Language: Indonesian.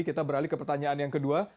kita beralih ke pertanyaan yang kedua